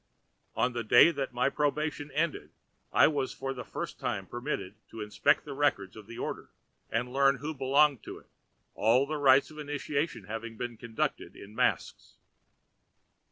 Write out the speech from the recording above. On the day that my probation ended I was for the first time permitted to inspect the records of the order and learn who belonged to it—all the rites of initiation having been conducted in masks.